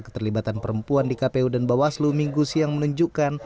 keterlibatan perempuan di kpu dan bawaslu minggu siang menunjukkan